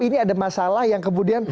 ini ada masalah yang kemudian